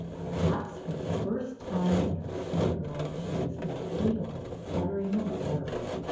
Perhaps for the first time in her short life she was inca pable of uttering a word.